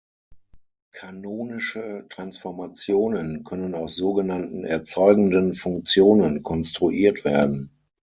Kanonische Transformationen können aus sogenannten "erzeugenden Funktionen" konstruiert werden.